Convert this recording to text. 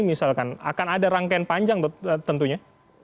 misalkan akan ada rangkaian panjang tentunya